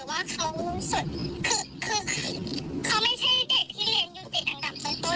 อังกฤษายุติรักษ์ต่างต้นพี่ตกใจตรงที่พี่ไม่คิดว่าเป็นเขามากกว่า